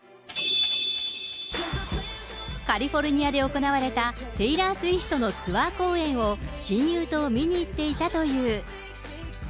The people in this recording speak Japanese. カリフォルニアで行われたテイラー・スウィフトのツアー公演を親友と見に行っていたという。